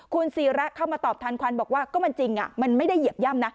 คุณศิระเข้ามาตอบทันควันบอกว่าก็มันจริงมันไม่ได้เหยียบย่ำนะ